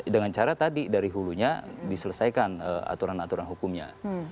dengan cara tadi dari hulunya diselesaikan aturan aturan hukumnya